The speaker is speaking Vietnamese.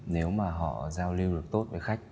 nếu mà họ giao lưu được tốt với khách